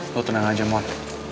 lo tenang aja mon